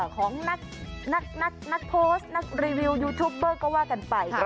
ของนักโพสต์นักรีวิวยูทูปเบอร์ก็ว่ากันไป